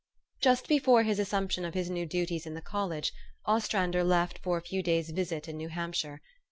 Just before his assumption of his new duties in the college, Ostrander left for a few days' visit in New Hampshire.